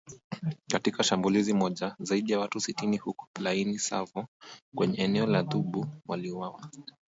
Katika shambulizi moja, zaidi ya watu sitini huko Plaine Savo kwenye eneo la Djubu waliuawa